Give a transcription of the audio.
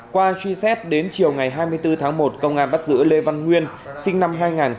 qua truy xét đến chiều ngày hai mươi bốn tháng một công an bắt giữ lê văn nguyên sinh năm hai nghìn